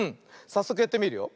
さっそくやってみるよ。